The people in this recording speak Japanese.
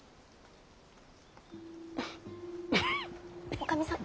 おかみさん！